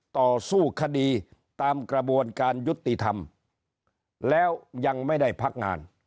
ต่อสู้คดีตามกระบวนการยุติธรรมแล้วยังไม่ได้พักงาน